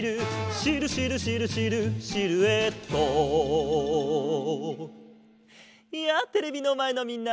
「シルシルシルシルシルエット」やあテレビのまえのみんな！